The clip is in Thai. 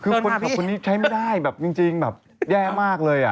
คือคนขับคนนี้ใช้ไม่ได้แบบจริงแบบแย่มากเลย